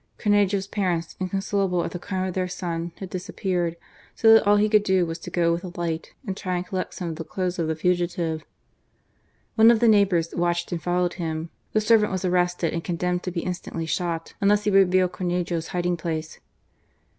Comejo's parents, inconsolable at the crime of their son, had disappeared, so that all he could do was to go with a light and try and collect some of the clothes of the fugitive. One of the neighbours watched and followed him; the servant was arrested and con demned to be instantly shot unless he would reveal Cornejo's hiding place.